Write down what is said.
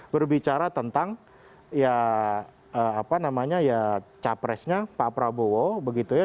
berbicara tentang ya apa namanya ya capresnya pak prabowo begitu ya